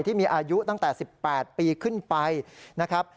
ที่มีอายุตั้งแต่๑๘ปีขึ้นไปนะครับ